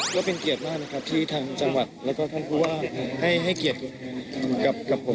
ก็เป็นเกียรติมากนะครับที่ทางจังหวัดแล้วก็ท่านผู้ว่าให้เกียรติตัวเองกับผม